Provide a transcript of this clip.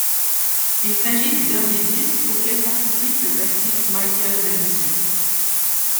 Il s'agit du dernier disque auquel participe le bassiste Michael Dempsey.